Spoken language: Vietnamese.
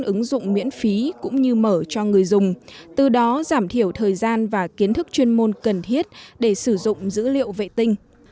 ứng dụng miễn phí cũng như mở cho người dùng từ đó giảm thiểu thời gian và kiến thức chuyên môn cần thiết để sử dụng dữ liệu vệ tinh